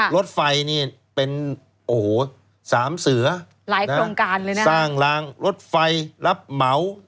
รถไฟนี่เป็นโอ้โหสามเสือหลายโครงการเลยนะสร้างลางรถไฟรับเหมา